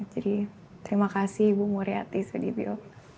jadi terima kasih ibu muriati sudibyo